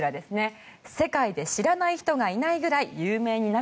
世界で知らない人がいないくらい有名になる。